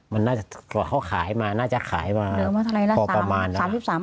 มันน่าจะเค้าขายมาน่าจะขายมาพอประมาณอะ